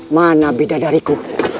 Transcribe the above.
mana beda dariku